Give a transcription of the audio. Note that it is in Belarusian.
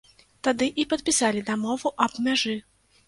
Тады і падпісалі дамову аб мяжы.